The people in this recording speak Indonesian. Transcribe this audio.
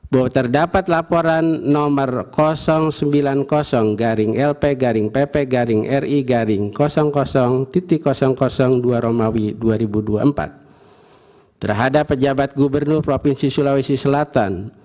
bahwa terdapat laporan nomor sembilan puluh garing lp garing pp garing ri garing dua romawi dua ribu dua puluh empat terhadap pejabat gubernur provinsi sulawesi selatan